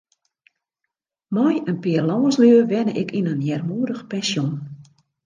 Mei in pear lânslju wenne ik yn in earmoedich pensjon.